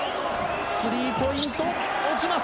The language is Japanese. スリーポイント、落ちます。